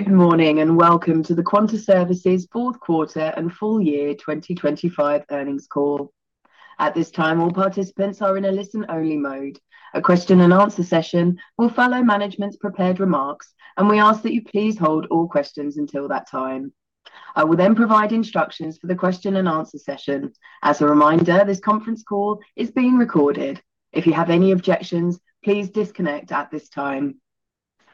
Good morning, and welcome to the Quanta Services fourth quarter and full year 2025 earnings call. At this time, all participants are in a listen-only mode. A question and answer session will follow management's prepared remarks, and we ask that you please hold all questions until that time. I will then provide instructions for the question and answer session. As a reminder, this conference call is being recorded. If you have any objections, please disconnect at this time.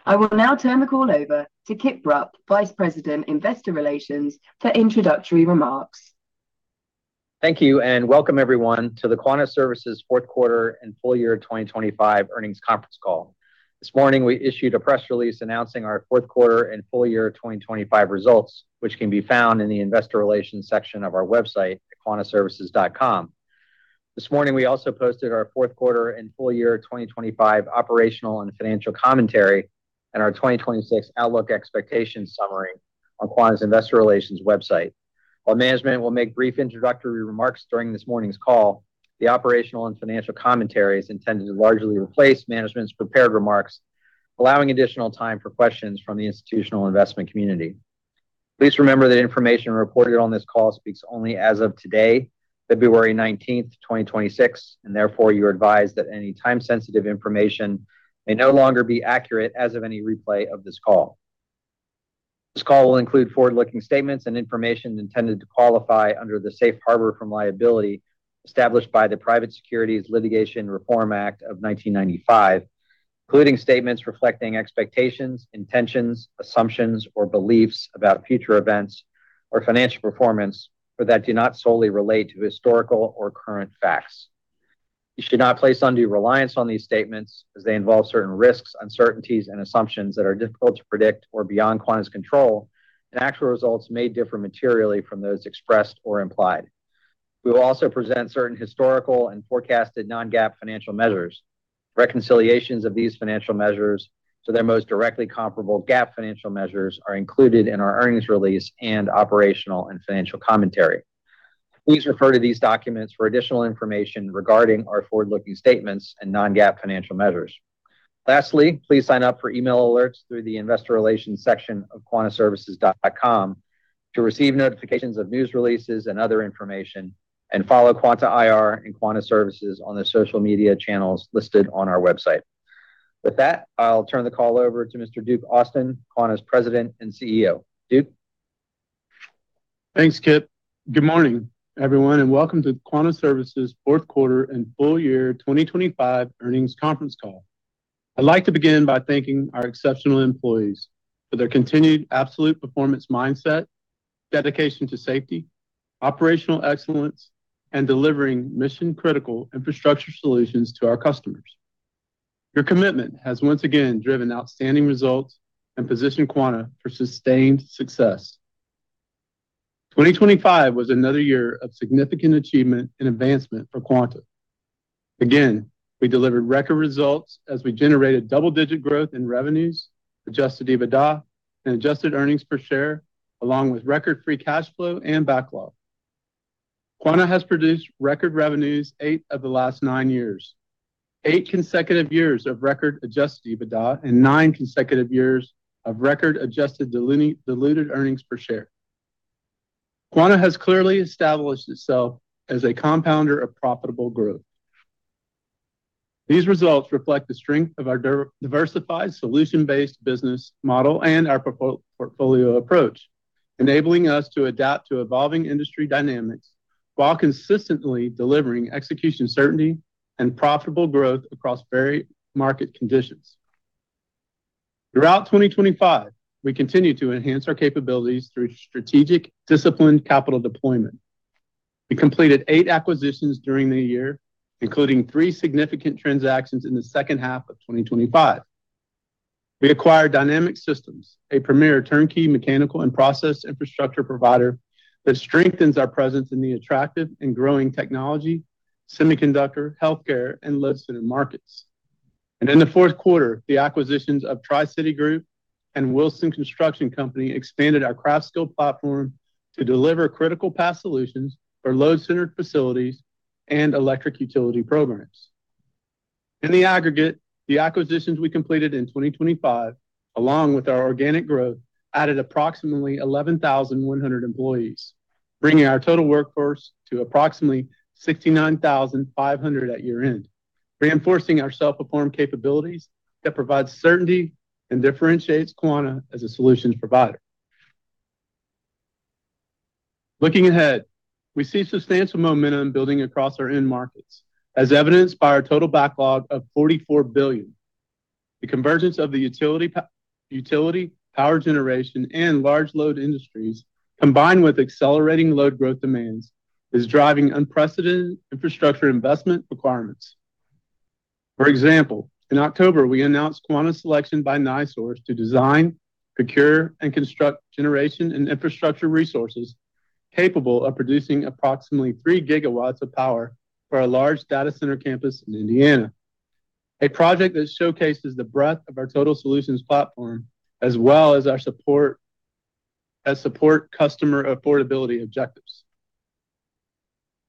I will now turn the call over to Kip Rupp, Vice President, Investor Relations, for introductory remarks. Thank you, and welcome everyone to the Quanta Services fourth quarter and full year 2025 earnings conference call. This morning, we issued a press release announcing our fourth quarter and full year 2025 results, which can be found in the investor relations section of our website at quantaservices.com. This morning, we also posted our fourth quarter and full year 2025 operational and financial commentary and our 2026 outlook expectation summary on Quanta's investor relations website. While management will make brief introductory remarks during this morning's call, the operational and financial commentary is intended to largely replace management's prepared remarks, allowing additional time for questions from the institutional investment community. Please remember that information reported on this call speaks only as of today, February 19, 2026, and therefore you're advised that any time-sensitive information may no longer be accurate as of any replay of this call. This call will include forward-looking statements and information intended to qualify under the Safe Harbor from liability established by the Private Securities Litigation Reform Act of 1995, including statements reflecting expectations, intentions, assumptions, or beliefs about future events or financial performance, but that do not solely relate to historical or current facts. You should not place undue reliance on these statements as they involve certain risks, uncertainties, and assumptions that are difficult to predict or beyond Quanta's control, and actual results may differ materially from those expressed or implied. We will also present certain historical and forecasted non-GAAP financial measures. Reconciliations of these financial measures to their most directly comparable GAAP financial measures are included in our earnings release and operational and financial commentary. Please refer to these documents for additional information regarding our forward-looking statements and non-GAAP financial measures. Lastly, please sign up for email alerts through the investor relations section of quantaservices.com to receive notifications of news releases and other information, and follow Quanta IR and Quanta Services on their social media channels listed on our website. With that, I'll turn the call over to Mr. Duke Austin, Quanta's President and CEO. Duke? Thanks, Kip. Good morning, everyone, and welcome to Quanta Services fourth quarter and full year 2025 earnings conference call. I'd like to begin by thanking our exceptional employees for their continued absolute performance mindset, dedication to safety, operational excellence, and delivering mission-critical infrastructure solutions to our customers. Your commitment has once again driven outstanding results and positioned Quanta for sustained success. 2025 was another year of significant achievement and advancement for Quanta. Again, we delivered record results as we generated double-digit growth in revenues, adjusted EBITDA, and adjusted earnings per share, along with record free cash flow and backlog. Quanta has produced record revenues 8 of the last 9 years, 8 consecutive years of record adjusted EBITDA, and 9 consecutive years of record adjusted diluted earnings per share. Quanta has clearly established itself as a compounder of profitable growth. These results reflect the strength of our diversified solution-based business model and our portfolio approach, enabling us to adapt to evolving industry dynamics while consistently delivering execution certainty and profitable growth across varied market conditions. Throughout 2025, we continued to enhance our capabilities through strategic, disciplined capital deployment. We completed eight acquisitions during the year, including three significant transactions in the second half of 2025. We acquired Dynamic Systems, a premier turnkey mechanical and process infrastructure provider that strengthens our presence in the attractive and growing technology, semiconductor, healthcare, and life sciences markets. In the fourth quarter, the acquisitions of Tri-City Group and Wilson Construction Company expanded our craft skill platform to deliver critical path solutions for load-centered facilities and electric utility programs. In the aggregate, the acquisitions we completed in 2025, along with our organic growth, added approximately 11,100 employees, bringing our total workforce to approximately 69,500 at year-end, reinforcing our self-perform capabilities that provide certainty and differentiates Quanta as a solutions provider. Looking ahead, we see substantial momentum building across our end markets, as evidenced by our total backlog of $44 billion. The convergence of the utility, power generation, and large load industries, combined with accelerating load growth demands, is driving unprecedented infrastructure investment requirements. For example, in October, we announced Quanta's selection by NiSource to design, procure, and construct generation and infrastructure resources capable of producing approximately 3 GW of power for a large data center campus in Indiana, a project that showcases the breadth of our total solutions platform, as well as our support. That support customer affordability objectives.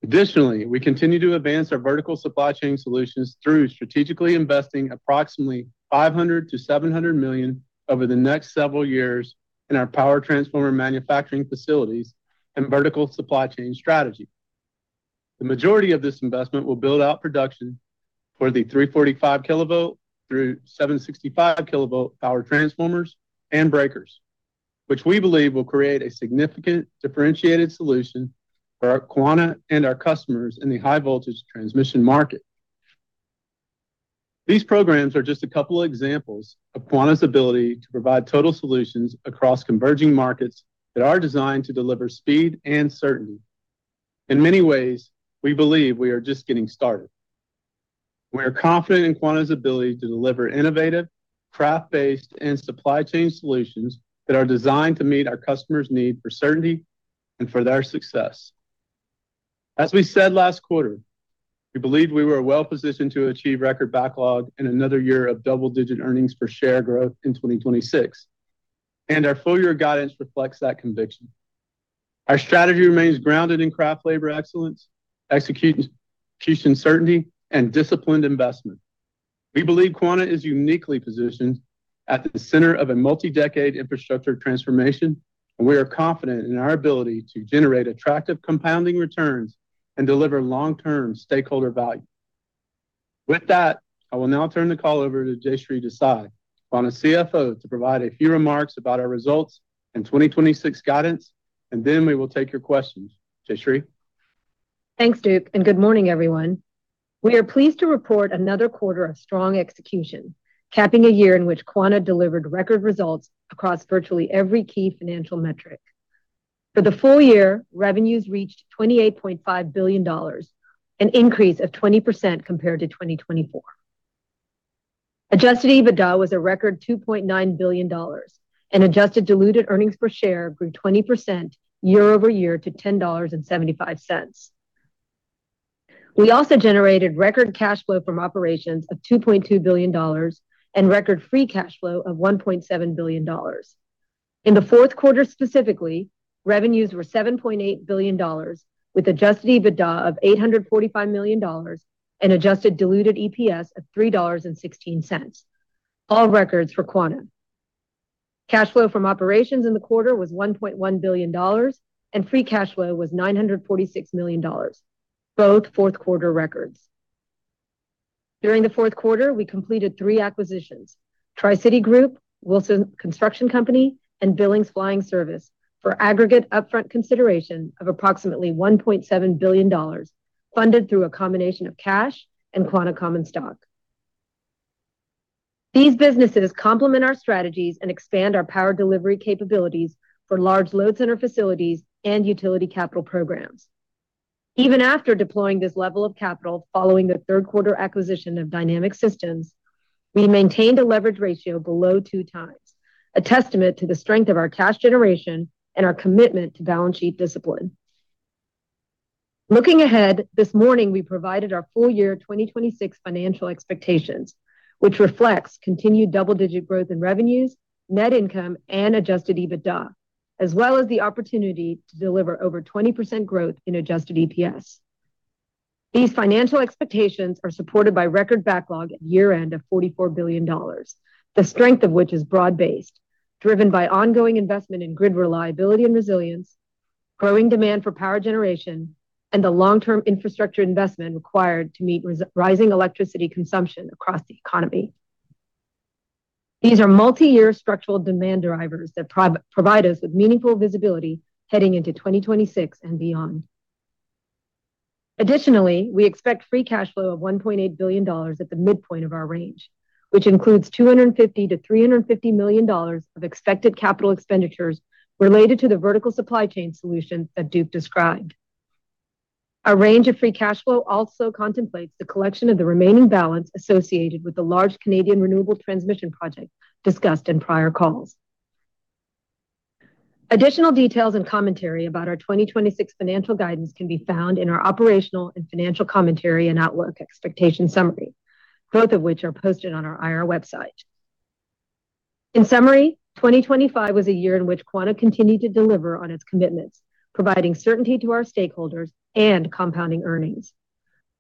Additionally, we continue to advance our vertical supply chain solutions through strategically investing approximately $500 million-$700 million over the next several years in our power transformer manufacturing facilities and vertical supply chain strategy. The majority of this investment will build out production for the 345 kV through 765 kV power transformers and breakers, which we believe will create a significant differentiated solution for our Quanta and our customers in the high voltage transmission market. These programs are just a couple of examples of Quanta's ability to provide total solutions across converging markets that are designed to deliver speed and certainty. In many ways, we believe we are just getting started. We are confident in Quanta's ability to deliver innovative, craft-based, and supply chain solutions that are designed to meet our customers' need for certainty and for their success. As we said last quarter, we believe we were well positioned to achieve record backlog and another year of double-digit earnings per share growth in 2026, and our full year guidance reflects that conviction. Our strategy remains grounded in craft labor excellence, execution, execution certainty, and disciplined investment. We believe Quanta is uniquely positioned at the center of a multi-decade infrastructure transformation, and we are confident in our ability to generate attractive compounding returns and deliver long-term stakeholder value. With that, I will now turn the call over to Jayshree Desai, Quanta CFO, to provide a few remarks about our results in 2026 guidance, and then we will take your questions. Jayshree? Thanks, Duke, and good morning, everyone. We are pleased to report another quarter of strong execution, capping a year in which Quanta delivered record results across virtually every key financial metric. For the full year, revenues reached $28.5 billion, an increase of 20% compared to 2024. Adjusted EBITDA was a record $2.9 billion, and adjusted diluted earnings per share grew 20% year over year to $10.75. We also generated record cash flow from operations of $2.2 billion and record free cash flow of $1.7 billion. In the fourth quarter specifically, revenues were $7.8 billion, with adjusted EBITDA of $845 million and adjusted diluted EPS of $3.16. All records for Quanta. Cash flow from operations in the quarter was $1.1 billion, and free cash flow was $946 million, both fourth quarter records. During the fourth quarter, we completed 3 acquisitions: Tri-City Group, Wilson Construction Company, and Billings Flying Service, for aggregate upfront consideration of approximately $1.7 billion, funded through a combination of cash and Quanta common stock. These businesses complement our strategies and expand our power delivery capabilities for large load center facilities and utility capital programs. Even after deploying this level of capital, following the third quarter acquisition of Dynamic Systems, we maintained a leverage ratio below 2x, a testament to the strength of our cash generation and our commitment to balance sheet discipline. Looking ahead, this morning, we provided our full year 2026 financial expectations, which reflects continued double-digit growth in revenues, net income, and Adjusted EBITDA, as well as the opportunity to deliver over 20% growth in Adjusted EPS. These financial expectations are supported by record backlog at year-end of $44 billion, the strength of which is broad-based, driven by ongoing investment in grid reliability and resilience, growing demand for power generation, and the long-term infrastructure investment required to meet rising electricity consumption across the economy. These are multi-year structural demand drivers that provide us with meaningful visibility heading into 2026 and beyond. Additionally, we expect free cash flow of $1.8 billion at the midpoint of our range, which includes $250 million-$350 million of expected capital expenditures related to the vertical supply chain solution that Duke described. Our range of free cash flow also contemplates the collection of the remaining balance associated with the large Canadian renewable transmission project discussed in prior calls. Additional details and commentary about our 2026 financial guidance can be found in our operational and financial commentary and outlook expectation summary, both of which are posted on our IR website. In summary, 2025 was a year in which Quanta continued to deliver on its commitments, providing certainty to our stakeholders and compounding earnings.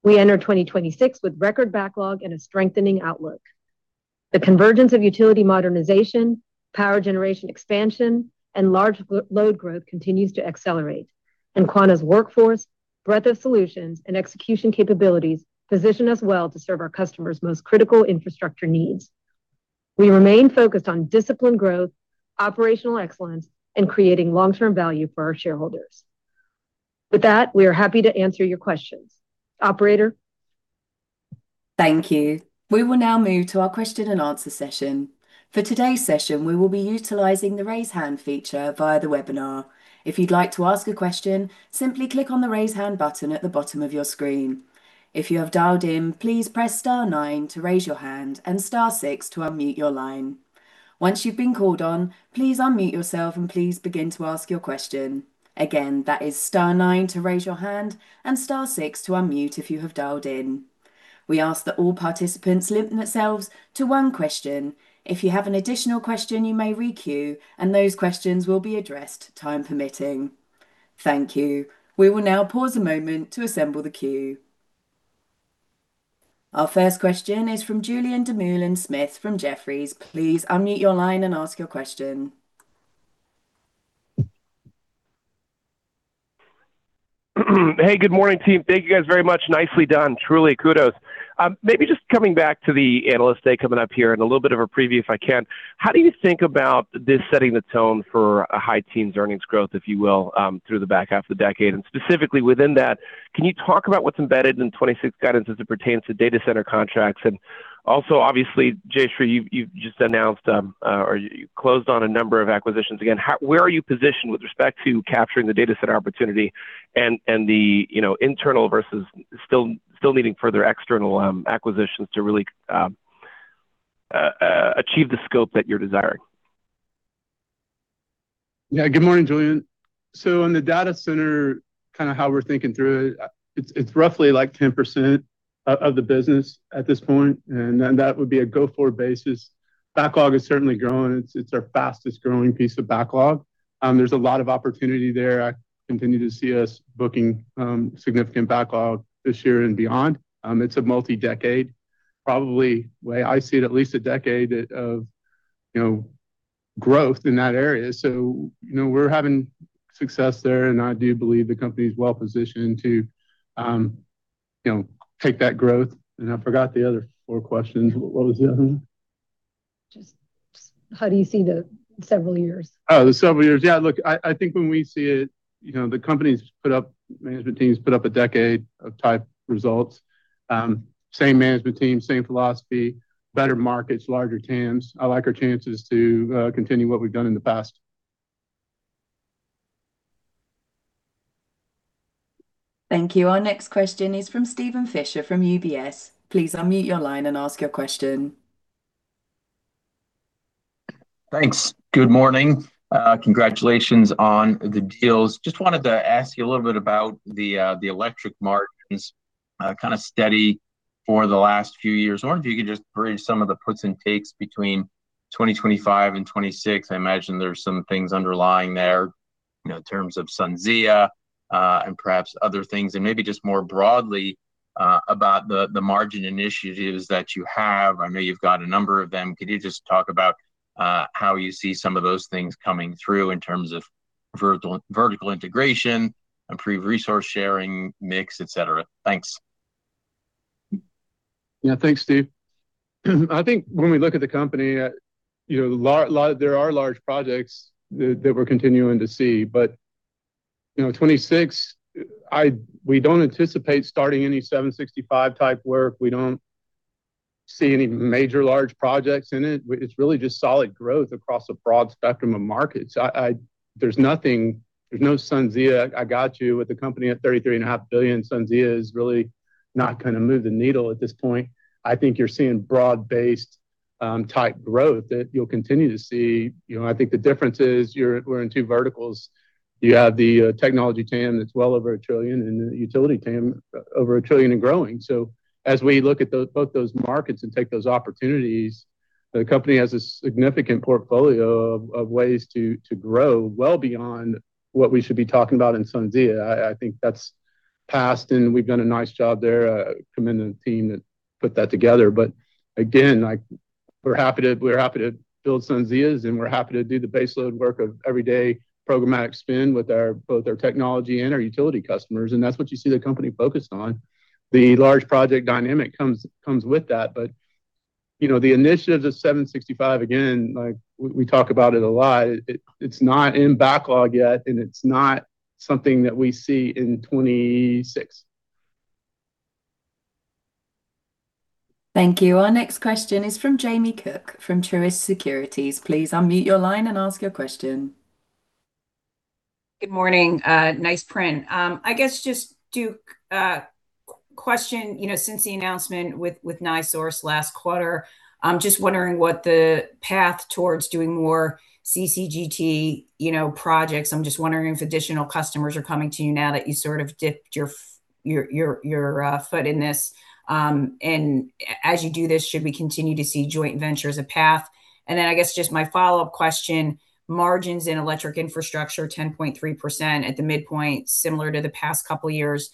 We enter 2026 with record backlog and a strengthening outlook. The convergence of utility modernization, power generation expansion, and large load growth continues to accelerate, and Quanta's workforce, breadth of solutions, and execution capabilities position us well to serve our customers' most critical infrastructure needs. We remain focused on disciplined growth, operational excellence, and creating long-term value for our shareholders. With that, we are happy to answer your questions. Operator? Thank you. We will now move to our question and answer session. For today's session, we will be utilizing the raise hand feature via the webinar. If you'd like to ask a question, simply click on the Raise Hand button at the bottom of your screen. If you have dialed in, please press star nine to raise your hand and star six to unmute your line. Once you've been called on, please unmute yourself and please begin to ask your question. Again, that is star nine to raise your hand and star six to unmute if you have dialed in.... We ask that all participants limit themselves to one question. If you have an additional question, you may re-queue, and those questions will be addressed, time permitting. Thank you. We will now pause a moment to assemble the queue. Our first question is from Julien Dumoulin-Smith from Jefferies. Please unmute your line and ask your question. Hey, good morning, team. Thank you guys very much. Nicely done. Truly, kudos! Maybe just coming back to the analyst day, coming up here, and a little bit of a preview, if I can. How do you think about this setting the tone for a high teens earnings growth, if you will, through the back half of the decade? And specifically within that, can you talk about what's embedded in 2026 guidance as it pertains to data center contracts? And also, obviously, Jayshree, you've just announced, or you closed on a number of acquisitions. Again, how, where are you positioned with respect to capturing the data center opportunity and, and the, you know, internal versus still needing further external, acquisitions to really, achieve the scope that you're desiring? Yeah. Good morning, Julian. So in the data center, kind of how we're thinking through it, it's, it's roughly like 10% of the business at this point, and then that would be a go-forward basis. Backlog is certainly growing. It's, it's our fastest growing piece of backlog. There's a lot of opportunity there. I continue to see us booking significant backlog this year and beyond. It's a multi-decade, probably, the way I see it, at least a decade of, you know, growth in that area. So, you know, we're having success there, and I do believe the company is well positioned to, you know, take that growth. And I forgot the other four questions. What was the other one? Just how do you see the several years? Oh, the several years. Yeah, look, I, I think when we see it, you know, the management team's put up a decade of type results. Same management team, same philosophy, better markets, larger TAMs. I like our chances to continue what we've done in the past. Thank you. Our next question is from Steven Fisher, from UBS. Please unmute your line and ask your question. Thanks. Good morning. Congratulations on the deals. Just wanted to ask you a little bit about the electric margins, kind of steady for the last few years. I wonder if you could just bridge some of the puts and takes between 2025 and 2026. I imagine there are some things underlying there, you know, in terms of SunZia, and perhaps other things, and maybe just more broadly, about the margin initiatives that you have. I know you've got a number of them. Could you just talk about how you see some of those things coming through in terms of vertical integration, improved resource sharing, mix, et cetera? Thanks. Yeah. Thanks, Steve. I think when we look at the company, you know, large, large-- there are large projects that, that we're continuing to see. But, you know, 2026, we don't anticipate starting any 765 type work. We don't see any major large projects in it. It's really just solid growth across a broad spectrum of markets. There's nothing, there's no SunZia. I got you. With the company at $33.5 billion, SunZia is really not gonna move the needle at this point. I think you're seeing broad-based type growth that you'll continue to see. You know, I think the difference is you're- we're in two verticals. You have the technology TAM that's well over $1 trillion, and the utility TAM over $1 trillion and growing. So as we look at both those markets and take those opportunities, the company has a significant portfolio of ways to grow well beyond what we should be talking about in SunZia. I think that's passed, and we've done a nice job there, commending the team that put that together. But again, like, we're happy to build SunZias, and we're happy to do the baseload work of everyday programmatic spend with both our technology and our utility customers, and that's what you see the company focused on. The large project dynamic comes with that, but you know, the initiatives of 765, again, like, we talk about it a lot, it's not in backlog yet, and it's not something that we see in 2026. Thank you. Our next question is from Jamie Cook, from Truist Securities. Please unmute your line and ask your question. Good morning. Nice print. I guess just to question, you know, since the announcement with NiSource last quarter, I'm just wondering what the path towards doing more CCGT, you know, projects. I'm just wondering if additional customers are coming to you now that you sort of dipped your foot in this. And as you do this, should we continue to see joint venture as a path? And then I guess just my follow-up question, margins in electric infrastructure, 10.3% at the midpoint, similar to the past couple of years.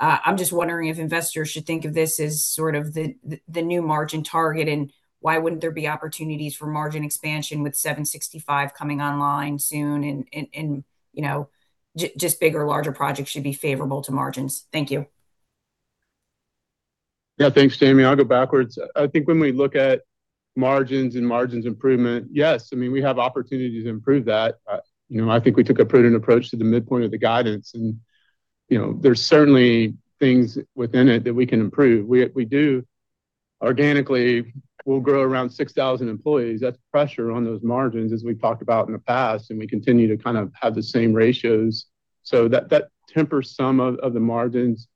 I'm just wondering if investors should think of this as sort of the new margin target, and why wouldn't there be opportunities for margin expansion with 765 coming online soon, and you know, just bigger, larger projects should be favorable to margins. Thank you. Yeah, thanks, Jamie. I'll go backwards. I think when we look at margins and margins improvement, yes, I mean, we have opportunity to improve that. You know, I think we took a prudent approach to the midpoint of the guidance, and, you know, there's certainly things within it that we can improve. Organically, we'll grow around 6,000 employees. That's pressure on those margins, as we've talked about in the past, and we continue to kind of have the same ratios. So that tempers some of the margins.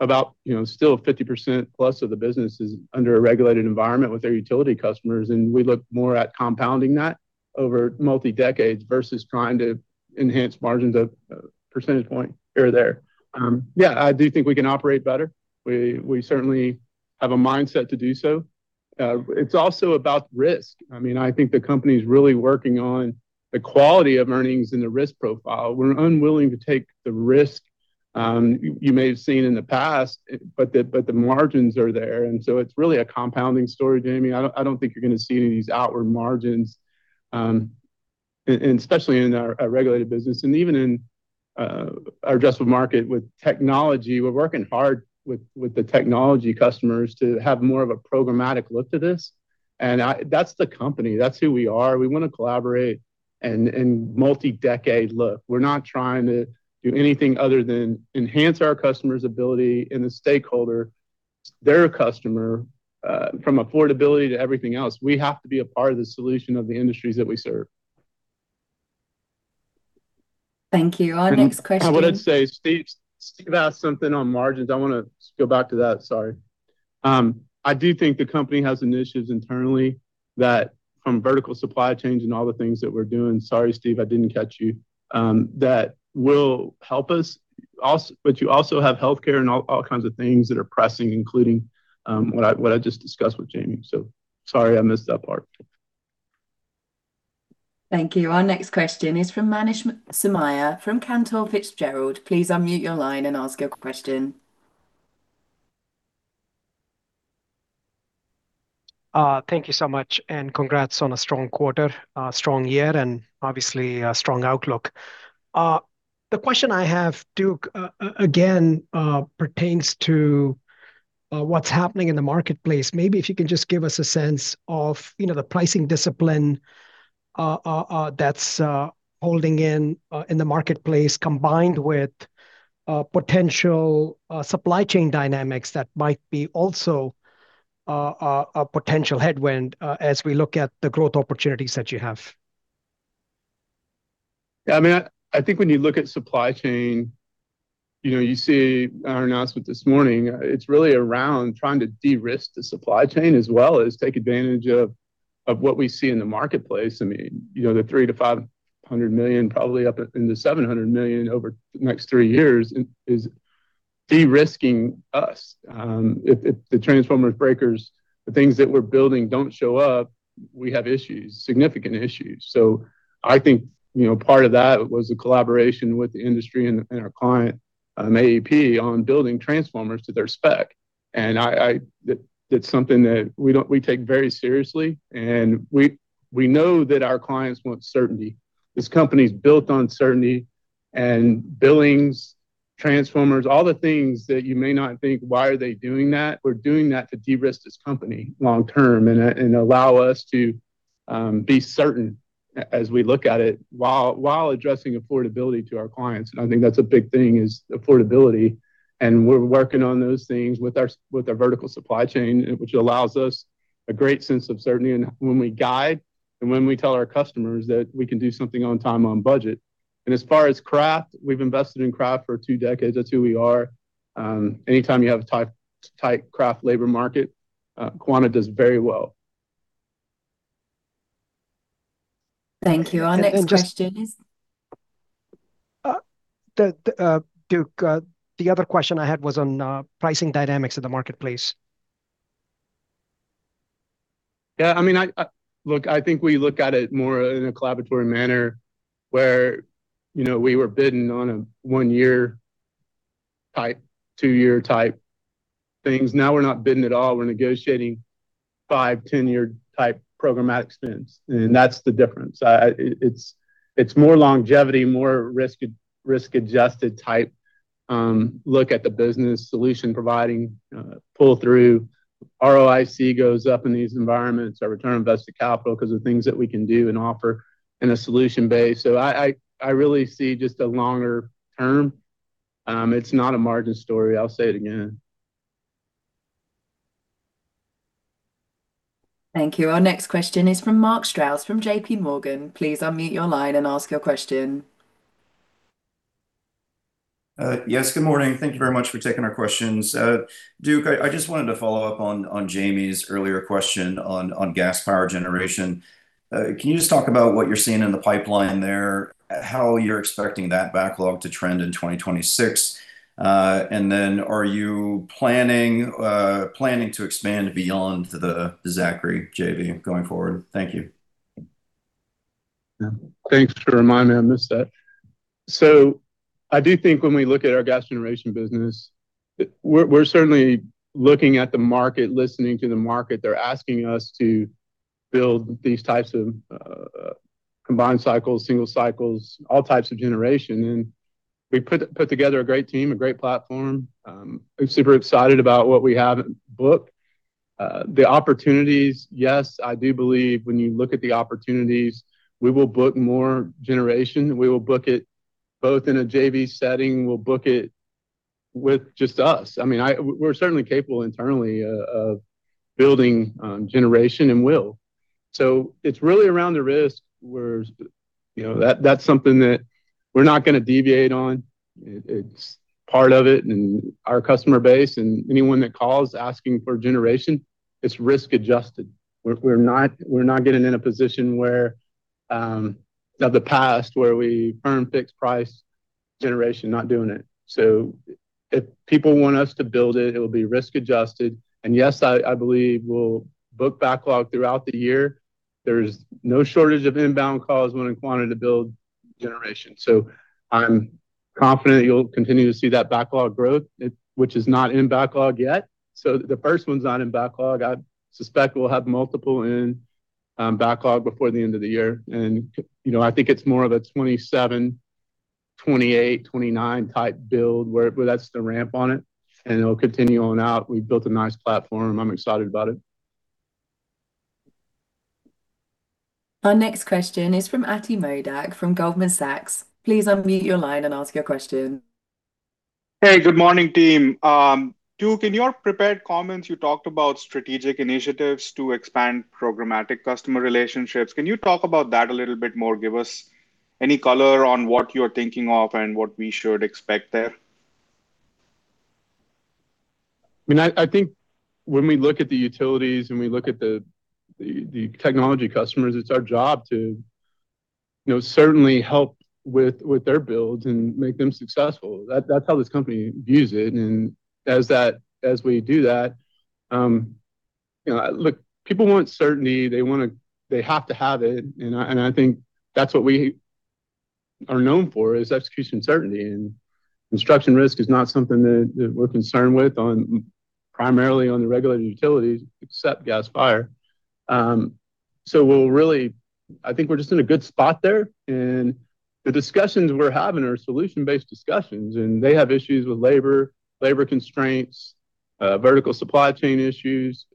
You know, still 50% plus of the business is under a regulated environment with our utility customers, and we look more at compounding that... over multi-decades versus trying to enhance margins of a percentage point here or there. Yeah, I do think we can operate better. We certainly have a mindset to do so. It's also about risk. I mean, I think the company's really working on the quality of earnings and the risk profile. We're unwilling to take the risk you may have seen in the past, but the margins are there, and so it's really a compounding story, Jamie. I don't think you're gonna see any of these outward margins, and especially in our regulated business and even in our addressable market. With technology, we're working hard with the technology customers to have more of a programmatic look to this, and that's the company. That's who we are. We want to collaborate in multi-decade look. We're not trying to do anything other than enhance our customer's ability and the stakeholder, their customer from affordability to everything else. We have to be a part of the solution of the industries that we serve. Thank you. Our next question- I would say, Steve, Steve asked something on margins. I want to go back to that, sorry. I do think the company has initiatives internally that from vertical supply chains and all the things that we're doing. Sorry, Steve, I didn't catch you. That will help us but you also have healthcare and all, all kinds of things that are pressing, including, what I, what I just discussed with Jamie. So sorry, I missed that part. Thank you. Our next question is from Manish Somaiya, from Cantor Fitzgerald. Please unmute your line and ask your question. Thank you so much, and congrats on a strong quarter, a strong year, and obviously a strong outlook. The question I have, Duke, again, pertains to what's happening in the marketplace. Maybe if you can just give us a sense of, you know, the pricing discipline that's holding in the marketplace, combined with potential supply chain dynamics that might be also a potential headwind as we look at the growth opportunities that you have. Yeah, I mean, I think when you look at supply chain, you know, you see our announcement this morning, it's really around trying to de-risk the supply chain as well as take advantage of what we see in the marketplace. I mean, you know, the $300 million-$500 million, probably up to $700 million over the next three years is de-risking us. If the transformers, breakers, the things that we're building don't show up, we have issues, significant issues. So I think, you know, part of that was a collaboration with the industry and our client, AEP, on building transformers to their spec. And that's something that we take very seriously, and we know that our clients want certainty. This company's built on certainty and billings, transformers, all the things that you may not think, "Why are they doing that?" We're doing that to de-risk this company long term and allow us to be certain as we look at it, while addressing affordability to our clients. I think that's a big thing, is affordability, and we're working on those things with our vertical supply chain, which allows us a great sense of certainty. When we guide and when we tell our customers that we can do something on time, on budget. As far as craft, we've invested in craft for two decades. That's who we are. Anytime you have a tight, tight craft labor market, Quanta does very well. Thank you. Our next question is? Duke, the other question I had was on pricing dynamics in the marketplace. Yeah, I mean, Look, I think we look at it more in a collaborative manner, where, you know, we were bidding on a 1-year type, 2-year type things. Now, we're not bidding at all, we're negotiating 5-, 10-year type programmatic spends, and that's the difference. It, it's, it's more longevity, more risk, risk-adjusted type, look at the business solution providing, pull through. ROIC goes up in these environments, our return on invested capital, because of things that we can do and offer in a solution base. So I really see just a longer term. It's not a margin story, I'll say it again. Thank you. Our next question is from Mark Strouse, from JP Morgan. Please unmute your line and ask your question. Yes, good morning. Thank you very much for taking our questions. Duke, I just wanted to follow up on Jamie's earlier question on gas power generation. Can you just talk about what you're seeing in the pipeline there, how you're expecting that backlog to trend in 2026? And then are you planning to expand beyond the Zachry JV going forward? Thank you. Yeah. Thanks for reminding me, I missed that. So I do think when we look at our gas generation business, we're certainly looking at the market, listening to the market. They're asking us to build these types of combined cycles, single cycles, all types of generation, and we put together a great team, a great platform. I'm super excited about what we have booked. The opportunities, yes, I do believe when you look at the opportunities, we will book more generation. We will book it both in a JV setting, we'll book it with just us. I mean, we're certainly capable internally of building generation and we'll. So it's really around the risk, where, you know, that's something that-... We're not gonna deviate on it. It's part of it and our customer base, and anyone that calls asking for generation, it's risk adjusted. We're not getting in a position where of the past, where we earn fixed price generation, not doing it. So if people want us to build it, it will be risk adjusted. And yes, I believe we'll book backlog throughout the year. There's no shortage of inbound calls when we wanted to build generation. So I'm confident you'll continue to see that backlog growth, it—which is not in backlog yet. So the first one's not in backlog. I suspect we'll have multiple in backlog before the end of the year. And, you know, I think it's more of a 2027, 2028, 2029 type build, where that's the ramp on it, and it'll continue on out. We've built a nice platform. I'm excited about it. Our next question is from Ati Modak, from Goldman Sachs. Please unmute your line and ask your question. Hey, good morning, team. Duke, in your prepared comments, you talked about strategic initiatives to expand programmatic customer relationships. Can you talk about that a little bit more? Give us any color on what you're thinking of and what we should expect there? I mean, I think when we look at the utilities and we look at the technology customers, it's our job to, you know, certainly help with their builds and make them successful. That's how this company views it. And as we do that, you know, look, people want certainty, they wanna, they have to have it. And I think that's what we are known for, is execution certainty. And construction risk is not something that we're concerned with, primarily on the regulated utilities, except gas-fired. So we'll really, I think we're just in a good spot there, and the discussions we're having are solution-based discussions, and they have issues with labor constraints, vertical supply chain issues.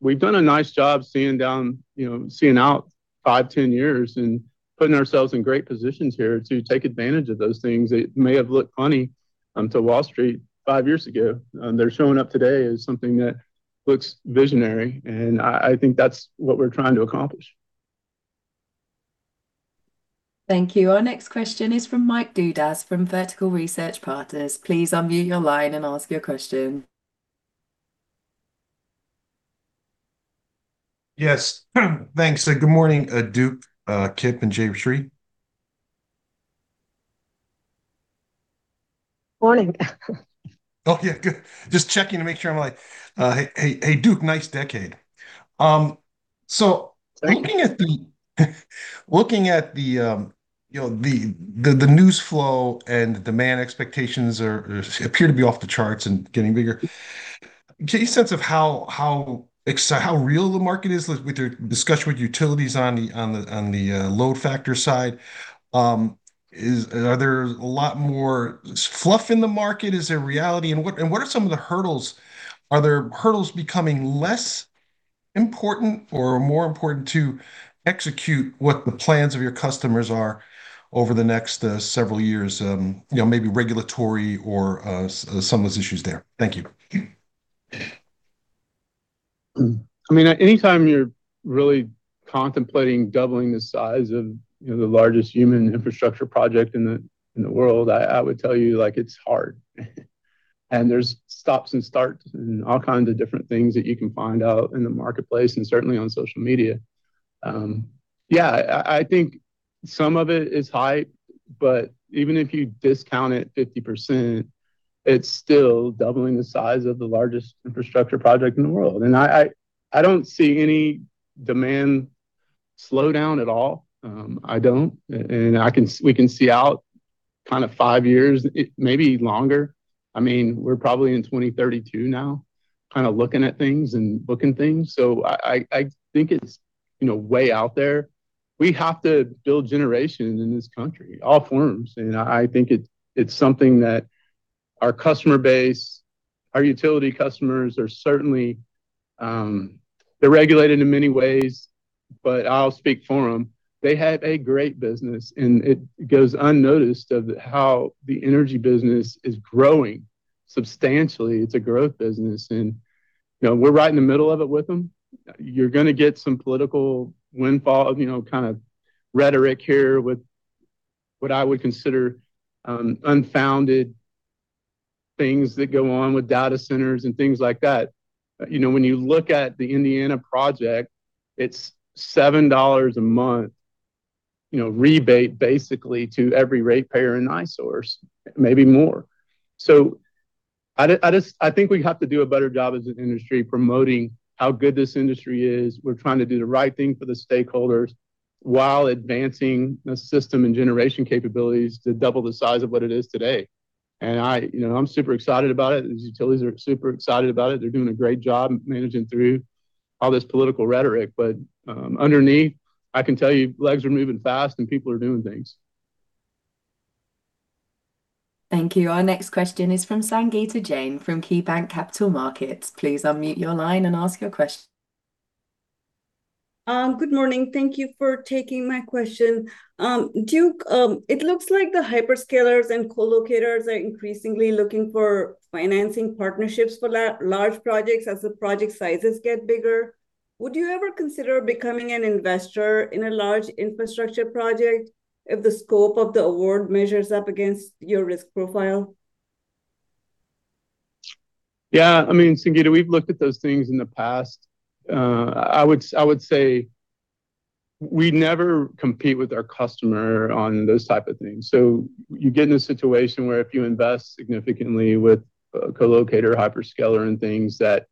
We've done a nice job seeing down, you know, seeing out 5, 10 years and putting ourselves in great positions here to take advantage of those things. It may have looked funny to Wall Street 5 years ago, and they're showing up today as something that looks visionary, and I think that's what we're trying to accomplish. Thank you. Our next question is from Mike Dudas, from Vertical Research Partners. Please unmute your line and ask your question. Yes, thanks. Good morning, Duke, Kip, and Jayshree. Morning. Oh, yeah, good. Just checking to make sure I'm like... Hey, hey, Duke, nice decade. So- Thank you. Looking at the, looking at the, you know, the, the news flow and demand expectations are, are-- appear to be off the charts and getting bigger. Get a sense of how, how ex-- how real the market is with, with your discussion with utilities on the, on the, on the load factor side. Is-- are there a lot more fluff in the market? Is there reality? And what, and what are some of the hurdles? Are there hurdles becoming less important or more important to execute what the plans of your customers are over the next several years, you know, maybe regulatory or some of those issues there? Thank you. I mean, anytime you're really contemplating doubling the size of, you know, the largest human infrastructure project in the world, I would tell you, like, it's hard. And there's stops and starts and all kinds of different things that you can find out in the marketplace, and certainly on social media. Yeah, I think some of it is hype, but even if you discount it 50%, it's still doubling the size of the largest infrastructure project in the world. And I don't see any demand slowdown at all. I don't. And we can see out kind of five years, it may be longer. I mean, we're probably in 2032 now, kinda looking at things and booking things. So I think it's, you know, way out there. We have to build generation in this country, all forms, and I think it, it's something that our customer base, our utility customers are certainly—they're regulated in many ways, but I'll speak for them. They have a great business, and it goes unnoticed of how the energy business is growing substantially. It's a growth business, and, you know, we're right in the middle of it with them. You're gonna get some political windfall, you know, kind of rhetoric here with what I would consider, unfounded things that go on with data centers and things like that. You know, when you look at the Indiana project, it's $7 a month, you know, rebate, basically, to every ratepayer in NiSource, maybe more. So I just—I think we have to do a better job as an industry, promoting how good this industry is. We're trying to do the right thing for the stakeholders while advancing the system and generation capabilities to double the size of what it is today. I, you know, I'm super excited about it, and the utilities are super excited about it. They're doing a great job managing through all this political rhetoric, but, underneath, I can tell you legs are moving fast and people are doing things. Thank you. Our next question is from Sangita Jain, from KeyBanc Capital Markets. Please unmute your line and ask your question. Good morning. Thank you for taking my question. Duke, it looks like the hyperscalers and co-locators are increasingly looking for financing partnerships for large projects as the project sizes get bigger.... Would you ever consider becoming an investor in a large infrastructure project if the scope of the award measures up against your risk profile? Yeah, I mean, Sangita, we've looked at those things in the past. I would, I would say we never compete with our customer on those type of things. So you get in a situation where if you invest significantly with a co-locator, hyperscaler, and things that,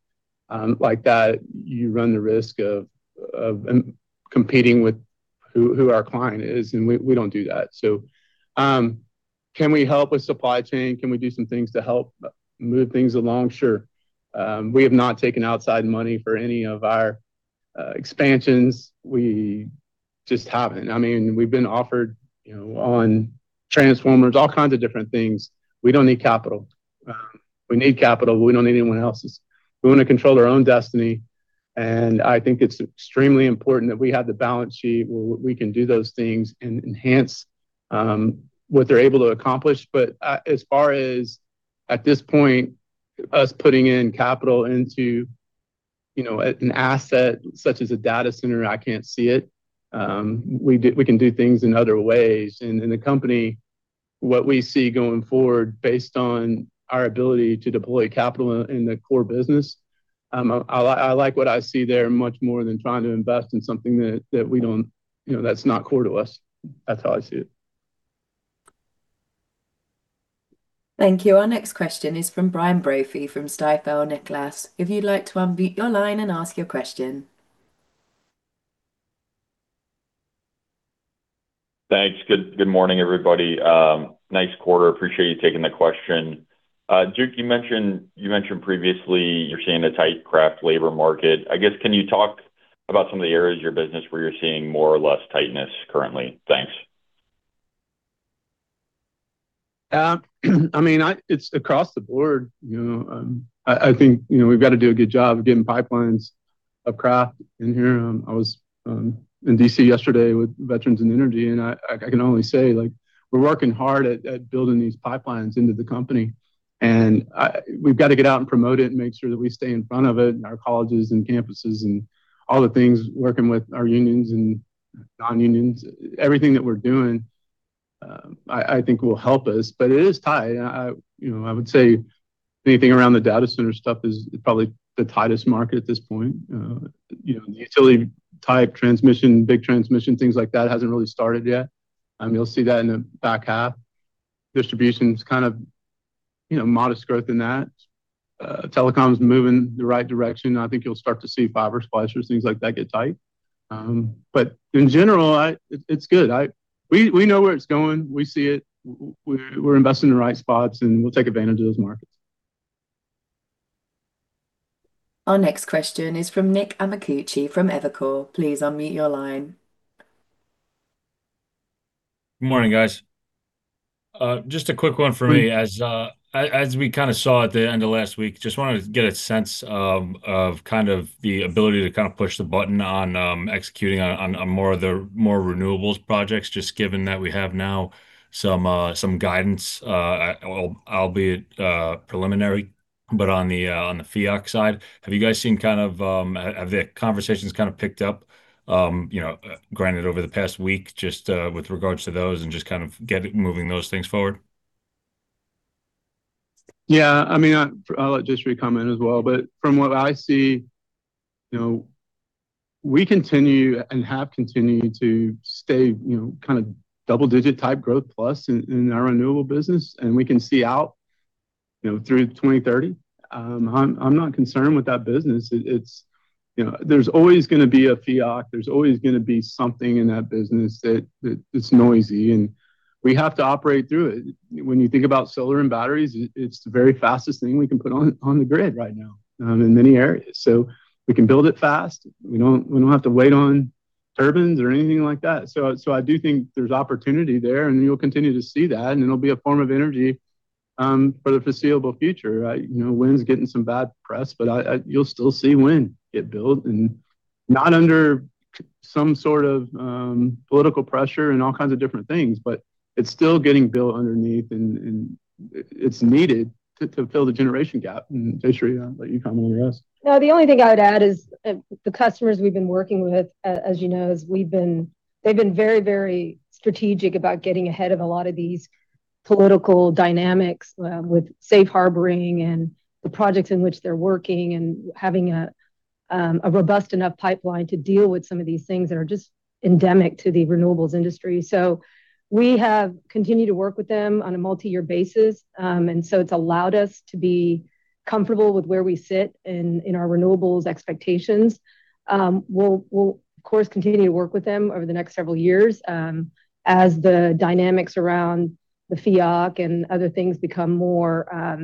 like that, you run the risk of, of, competing with who, who our client is, and we, we don't do that. So, can we help with supply chain? Can we do some things to help move things along? Sure. We have not taken outside money for any of our, expansions. We just haven't. I mean, we've been offered, you know, on transformers, all kinds of different things. We don't need capital. We need capital, but we don't need anyone else's. We want to control our own destiny, and I think it's extremely important that we have the balance sheet where we can do those things and enhance what they're able to accomplish. But as far as at this point, us putting in capital into, you know, an asset such as a data center, I can't see it. We can do things in other ways. And in the company, what we see going forward, based on our ability to deploy capital in the core business, I like what I see there much more than trying to invest in something that we don't you know, that's not core to us. That's how I see it. Thank you. Our next question is from Brian Brophy, from Stifel Nicolaus. If you'd like to unmute your line and ask your question. Thanks. Good morning, everybody. Nice quarter. Appreciate you taking the question. Duke, you mentioned, you mentioned previously you're seeing a tight craft labor market. I guess, can you talk about some of the areas of your business where you're seeing more or less tightness currently? Thanks. I mean, it's across the board, you know? I think, you know, we've got to do a good job of getting pipelines of craft in here. I was in D.C. yesterday with Veterans in Energy, and I can only say, like, we're working hard at building these pipelines into the company. And we've got to get out and promote it and make sure that we stay in front of it in our colleges and campuses and all the things, working with our unions and non-unions. Everything that we're doing, I think will help us, but it is tight. You know, I would say anything around the data center stuff is probably the tightest market at this point. You know, the utility-type transmission, big transmission, things like that, hasn't really started yet. You'll see that in the back half. Distribution's kind of, you know, modest growth in that. Telecom's moving the right direction. I think you'll start to see fiber splicers, things like that, get tight. But in general, it's good. We, we know where it's going. We see it. We're investing in the right spots, and we'll take advantage of those markets. Our next question is from Nick Amicucci from Evercore. Please unmute your line. Good morning, guys. Just a quick one for me. As we kind of saw at the end of last week, just wanted to get a sense of kind of the ability to kind of push the button on executing on more renewables projects, just given that we have now some guidance, albeit preliminary, but on the FIOC side. Have you guys seen kind of have the conversations kind of picked up, you know, granted, over the past week, just with regards to those and just kind of get it moving those things forward? Yeah, I mean, I, I'll let Jayshree comment as well, but from what I see, you know, we continue and have continued to stay, you know, kind of double-digit type growth plus in, in our renewable business, and we can see out, you know, through to 2030. I'm not concerned with that business. It, it's... You know, there's always gonna be a FIOC. There's always gonna be something in that business that, that it's noisy, and we have to operate through it. When you think about solar and batteries, it, it's the very fastest thing we can put on, on the grid right now, in many areas. So we can build it fast. We don't, we don't have to wait on turbines or anything like that. So, so I do think there's opportunity there, and we'll continue to see that, and it'll be a form of energy for the foreseeable future. You know, wind's getting some bad press, but you'll still see wind get built, and not under some sort of political pressure and all kinds of different things, but it's still getting built underneath, and it's needed to fill the generation gap. And Jayshree, I'll let you comment on the rest. No, the only thing I'd add is, the customers we've been working with, as you know, they've been very, very strategic about getting ahead of a lot of these political dynamics, with safe harboring and the projects in which they're working and having a robust enough pipeline to deal with some of these things that are just endemic to the renewables industry. So we have continued to work with them on a multi-year basis, and so it's allowed us to be comfortable with where we sit in our renewables expectations. We'll of course continue to work with them over the next several years, as the dynamics around the FIOC and other things become more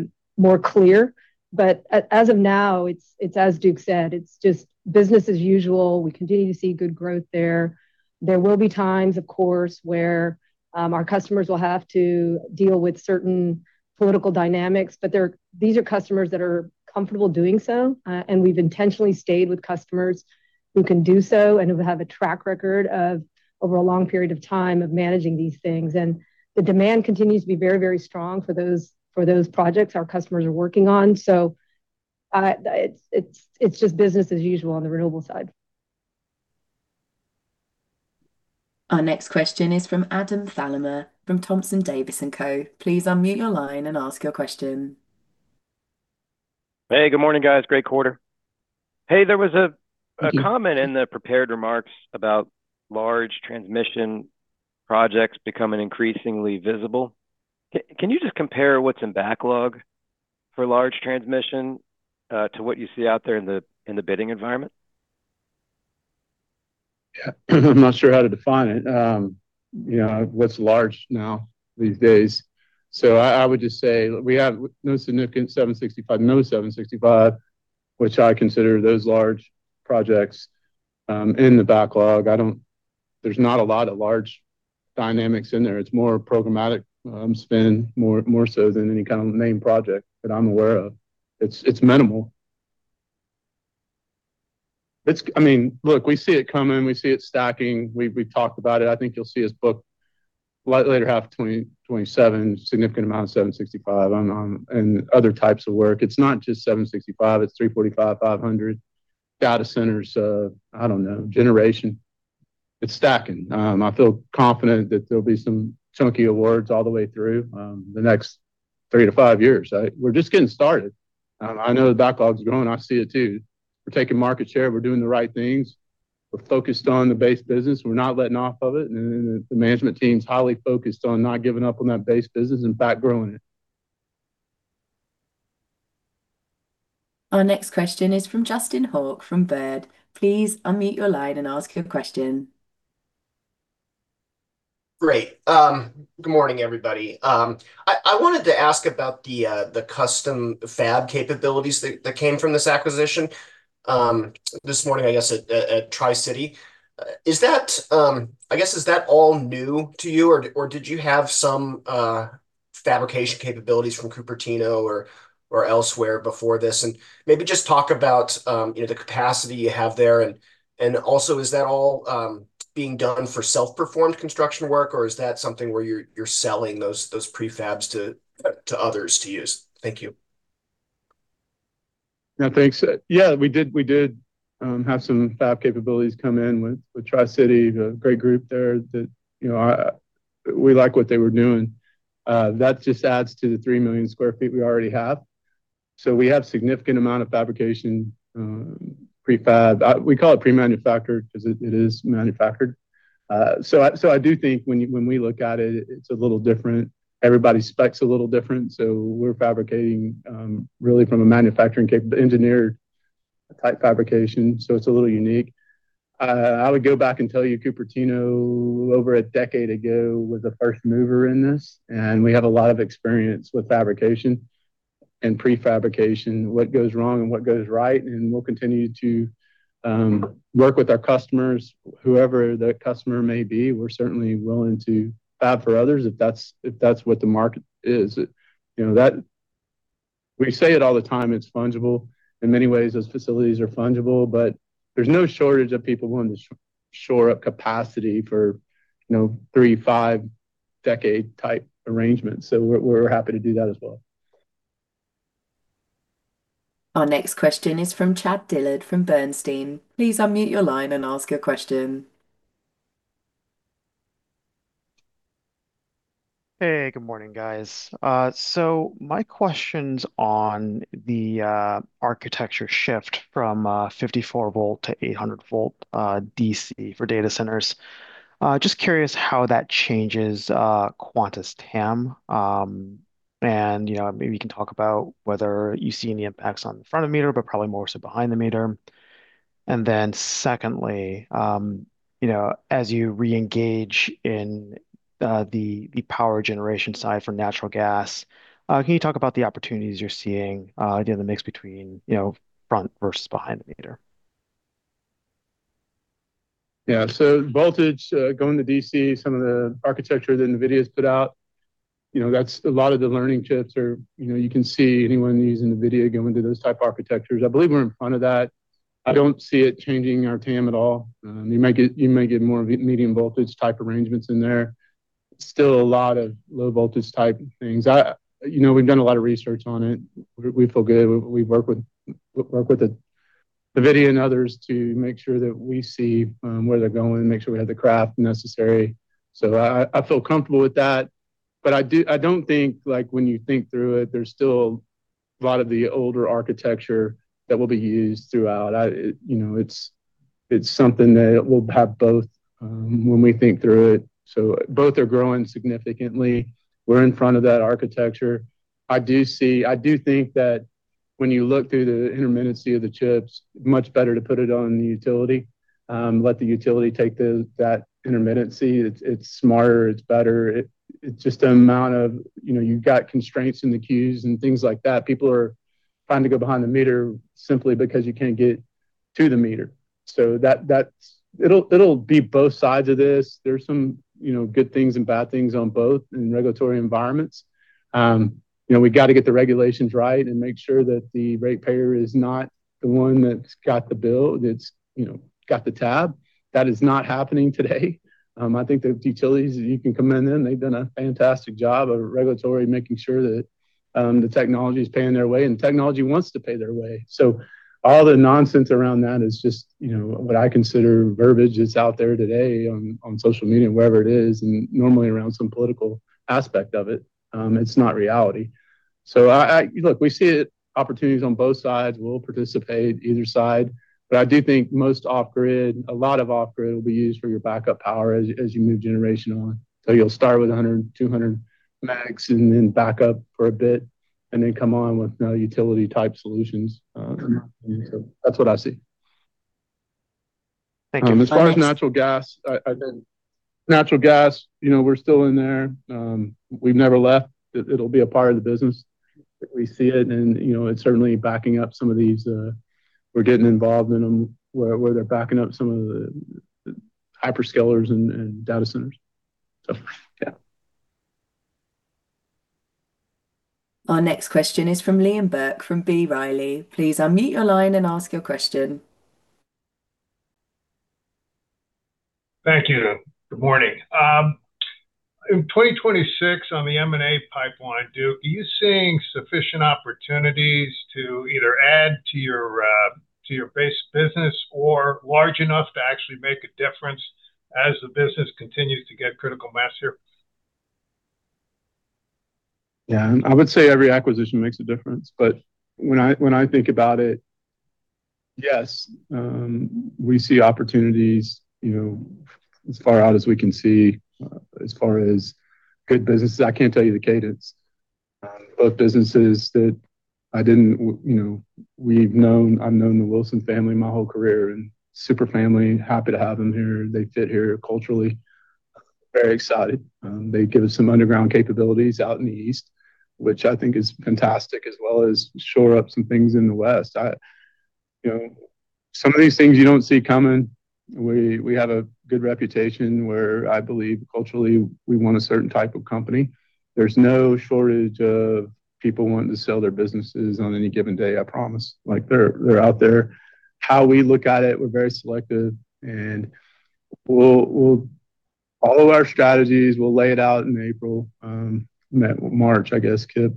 clear. But as of now, it's as Duke said, it's just business as usual. We continue to see good growth there. There will be times, of course, where our customers will have to deal with certain political dynamics, but they're—these are customers that are comfortable doing so. And we've intentionally stayed with customers who can do so and who have a track record of over a long period of time of managing these things. And the demand continues to be very, very strong for those, for those projects our customers are working on. So, it's just business as usual on the renewable side. ... Our next question is from Adam Thalhimer, from Thompson, Davis & Co. Please unmute your line and ask your question. Hey, good morning, guys. Great quarter. Hey, there was a comment in the prepared remarks about large transmission projects becoming increasingly visible. Can you just compare what's in backlog for large transmission to what you see out there in the bidding environment? Yeah. I'm not sure how to define it. You know, what's large now these days? So I would just say we have no significant 765, no 765, which I consider those large projects, in the backlog. I don't. There's not a lot of large dynamics in there. It's more programmatic, spend, more so than any kind of main project that I'm aware of. It's minimal. It's. I mean, look, we see it coming. We see it stacking. We've talked about it. I think you'll see us book later half of 2027, significant amount of 765, and other types of work. It's not just 765, it's 345, 500, data centers, I don't know, generation. It's stacking. I feel confident that there'll be some chunky awards all the way through the next 3-5 years, right? We're just getting started. I know the backlog's growing. I see it too. We're taking market share, we're doing the right things. We're focused on the base business, we're not letting off of it, and then the management team is highly focused on not giving up on that base business, in fact, growing it. Our next question is from Justin Hauke from Baird. Please unmute your line and ask your question. Great. Good morning, everybody. I wanted to ask about the custom fab capabilities that came from this acquisition this morning, I guess, at Tri-City. Is that, I guess, all new to you or did you have some fabrication capabilities from Cupertino or elsewhere before this? And maybe just talk about, you know, the capacity you have there. And also, is that all being done for self-performed construction work, or is that something where you're selling those pre fabs to others to use? Thank you. Yeah, thanks. Yeah, we did have some fab capabilities come in with Tri-City, a great group there that, you know, we like what they were doing. That just adds to the 3 million sq ft we already have. So we have significant amount of fabrication, pre-fab. We call it pre-manufactured because it is manufactured. So I do think when we look at it, it's a little different. Everybody's specs a little different, so we're fabricating, really from a manufacturing engineer type fabrication, so it's a little unique. I would go back and tell you, Cupertino, over a decade ago, was the first mover in this, and we have a lot of experience with fabrication and pre-fabrication, what goes wrong and what goes right. We'll continue to work with our customers, whoever the customer may be. We're certainly willing to fab for others, if that's what the market is. You know, that—we say it all the time, it's fungible. In many ways, those facilities are fungible, but there's no shortage of people wanting to shore up capacity for, you know, 3- to 5-decade type arrangements. So we're happy to do that as well. Our next question is from Chad Dillard, from Bernstein. Please unmute your line and ask your question. Hey, good morning, guys. So my question's on the architecture shift from 54-volt to 800-volt DC for data centers. Just curious how that changes Quanta's TAM. And, you know, maybe you can talk about whether you see any impacts on front of meter, but probably more so behind the meter. And then secondly, you know, as you reengage in the power generation side for natural gas, can you talk about the opportunities you're seeing, again, the mix between, you know, front versus behind the meter? Yeah. So voltage going to DC, some of the architecture that NVIDIA's put out, you know, that's a lot of the learning chips or, you know, you can see anyone using NVIDIA going into those type of architectures. I believe we're in front of that. I don't see it changing our TAM at all. You may get, you may get more medium voltage type arrangements in there. Still a lot of low voltage type things. You know, we've done a lot of research on it. We feel good. We work with the NVIDIA and others to make sure that we see where they're going and make sure we have the craft necessary. So I feel comfortable with that. But I don't think, like, when you think through it, there's still a lot of the older architecture that will be used throughout. I, you know, it's, it's something that we'll have both, when we think through it. So both are growing significantly. We're in front of that architecture. I do think that when you look through the intermittency of the chips, much better to put it on the utility. Let the utility take the, that intermittency. It's, it's smarter, it's better. It, it's just the amount of, you know, you've got constraints in the queues and things like that. People are trying to go behind the meter simply because you can't get to the meter. So that, that's. It'll, it'll be both sides of this. There's some, you know, good things and bad things on both in regulatory environments. You know, we got to get the regulations right and make sure that the ratepayer is not the one that's got the bill, that's, you know, got the tab. That is not happening today. I think the utilities, you can commend them. They've done a fantastic job of regulatory, making sure that the technology is paying their way, and technology wants to pay their way. So all the nonsense around that is just, you know, what I consider verbiage that's out there today on, on social media, wherever it is, and normally around some political aspect of it. It's not reality. So I-- Look, we see opportunities on both sides. We'll participate either side, but I do think most off grid, a lot of off grid will be used for your backup power as, as you move generation on. So you'll start with 100, 200 max, and then back up for a bit, and then come on with no utility type solutions. So that's what I see. Thank you. As far as natural gas, Natural gas, you know, we're still in there. We've never left. It'll be a part of the business. We see it and, you know, it's certainly backing up some of these. We're getting involved in them, where they're backing up some of the hyperscalers and data centers. So yeah. Our next question is from Liam Burke, from B. Riley. Please unmute your line and ask your question. Thank you. Good morning. In 2026, on the M&A pipeline, Duke, are you seeing sufficient opportunities to either add to your, to your base business or large enough to actually make a difference as the business continues to get critical mass here? Yeah, I would say every acquisition makes a difference, but when I, when I think about it, yes, we see opportunities, you know, as far out as we can see, as far as good businesses. I can't tell you the cadence. But businesses that I didn't, you know, we've known. I've known the [Wilson] family my whole career, and super family, happy to have them here. They fit here culturally, very excited. They give us some underground capabilities out in the East, which I think is fantastic, as well as shore up some things in the West. You know, some of these things you don't see coming. We have a good reputation where I believe culturally, we want a certain type of company. There's no shortage of people wanting to sell their businesses on any given day, I promise. Like, they're, they're out there. How we look at it, we're very selective, and we'll. All of our strategies, we'll lay it out in April, March, I guess, Kip.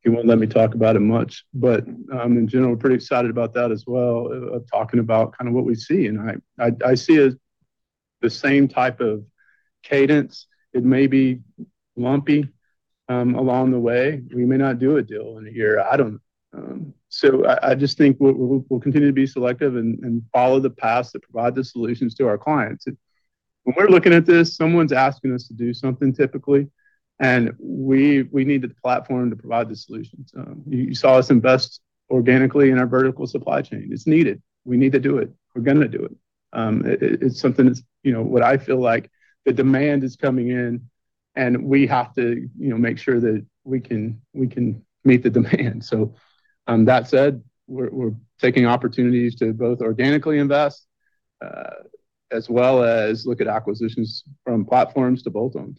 He won't let me talk about it much. But, in general, we're pretty excited about that as well, of talking about kind of what we see. And I see it as the same type of cadence. It may be lumpy along the way. We may not do a deal in a year. So I just think we'll continue to be selective and follow the paths that provide the solutions to our clients. When we're looking at this, someone's asking us to do something, typically, and we need the platform to provide the solution. So you saw us invest organically in our vertical supply chain. It's needed. We need to do it. We're gonna do it. It's something that's, you know, what I feel like the demand is coming in, and we have to, you know, make sure that we can meet the demand. So, that said, we're taking opportunities to both organically invest, as well as look at acquisitions from platforms to bolt on.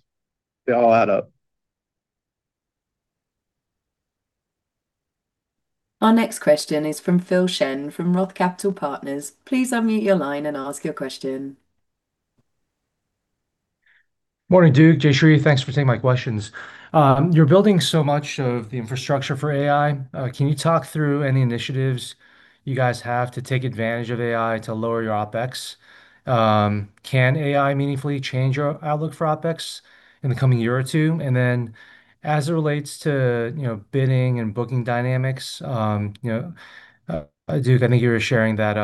They all add up. Our next question is from Phil Shen, from Roth Capital Partners. Please unmute your line and ask your question. Morning, Duke. Jayshree, thanks for taking my questions. You're building so much of the infrastructure for AI. Can you talk through any initiatives you guys have to take advantage of AI to lower your OpEx? Can AI meaningfully change your outlook for OpEx in the coming year or two? And then, as it relates to, you know, bidding and booking dynamics, you know, Duke, I think you were sharing that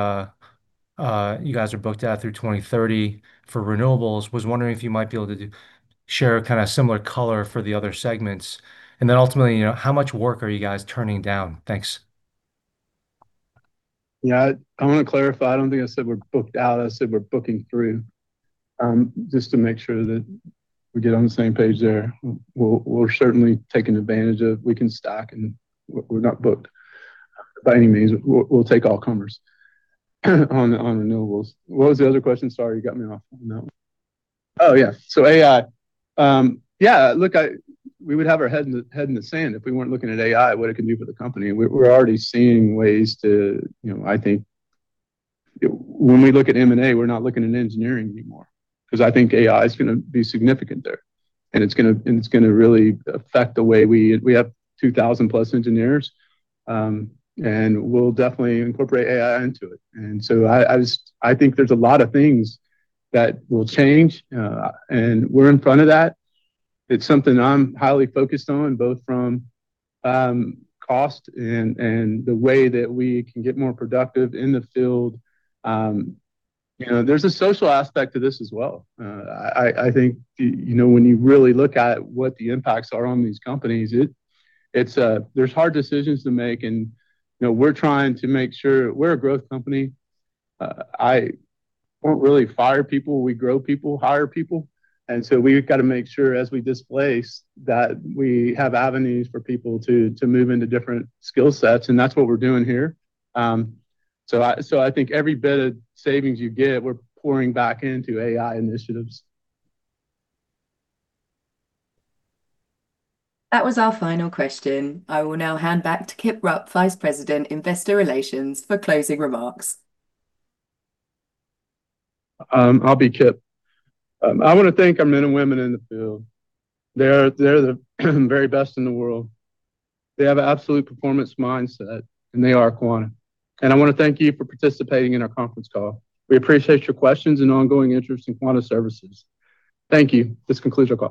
you guys are booked out through 2030 for renewables. Was wondering if you might be able to share a kind of similar color for the other segments. And then ultimately, you know, how much work are you guys turning down? Thanks. Yeah, I want to clarify, I don't think I said we're booked out. I said we're booking through, just to make sure that we get on the same page there. We're, we're certainly taking advantage of, we can stack, and we're not booked by any means. We'll, we'll take all comers, on, on renewables. What was the other question? Sorry, you got me off on that one. Oh, yeah. So AI. Yeah, look, I we would have our head in the, head in the sand if we weren't looking at AI, what it can do for the company. We're, we're already seeing ways to... You know, I think when we look at M&A, we're not looking at engineering anymore, because I think AI is gonna be significant there, and it's gonna really affect the way we have 2,000+ engineers, and we'll definitely incorporate AI into it. So I just think there's a lot of things that will change, and we're in front of that. It's something I'm highly focused on, both from cost and the way that we can get more productive in the field. You know, there's a social aspect to this as well. I think, you know, when you really look at what the impacts are on these companies, it's hard decisions to make, and you know, we're trying to make sure we're a growth company. I won't really fire people, we grow people, hire people, and so we've got to make sure as we displace, that we have avenues for people to, to move into different skill sets, and that's what we're doing here. So I think every bit of savings you get, we're pouring back into AI initiatives. That was our final question. I will now hand back to Kip Rupp, Vice President, Investor Relations, for closing remarks. I'll be Kip. I want to thank our men and women in the field. They're the very best in the world. They have absolute performance mindset, and they are Quanta. I want to thank you for participating in our conference call. We appreciate your questions and ongoing interest in Quanta Services. Thank you. This concludes our call.